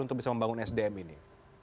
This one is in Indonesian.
untuk bisa membangun sdm ini